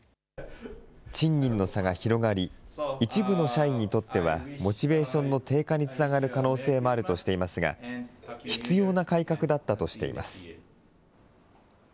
賃金の差が広がり、一部の社員にとってはモチベーションの低下につながる可能性もあるとしていますが、必要な改革だったとしています。